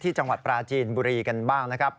จังหวัดปราจีนบุรีกันบ้างนะครับ